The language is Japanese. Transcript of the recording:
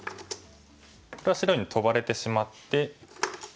これは白にトバれてしまって。